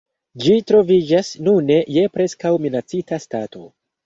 Ĝi troviĝas nune je preskaŭ-minacita stato.